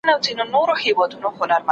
هغه څوک چي شګه پاکوي منظم وي